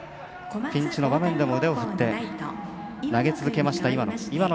ピンチの場面でも腕を振って投げ続けた岩野。